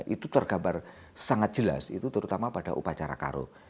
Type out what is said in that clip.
itu tergambar sangat jelas itu terutama pada upacara karo